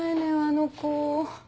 あの子。